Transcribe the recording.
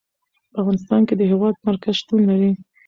په افغانستان کې د هېواد مرکز شتون لري.